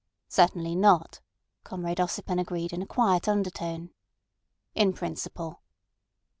"Certainly not," Comrade Ossipon agreed in a quiet undertone. "In principle."